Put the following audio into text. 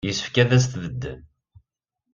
Yessefk ad as-tbeddem.